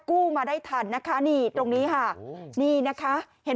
กู้มาได้ทันนะคะนี่ตรงนี้ค่ะนี่นะคะเห็น